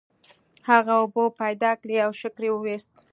هغه اوبه پیدا کړې او شکر یې وویست.